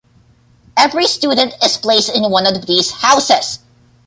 Every student is placed in one of these houses.